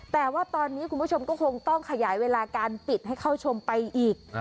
แต่ว่าตอนนี้คุณผู้ชมก็คงต้องขยายเวลาการปิดให้เข้าชมไปอีก